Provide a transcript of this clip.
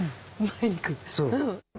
そう。